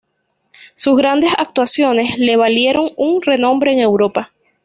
Sus grandes actuaciones, le valieron un renombre en Europa.